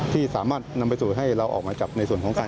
ที่สามารถนำไปสู่ให้เราออกหมายจับในส่วนของการ